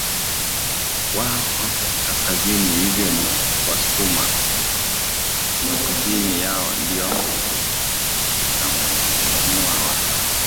wao wapo kaskazini hivyo ni wasukuma na kusini yao ndio kuna wadakamaMkoa wa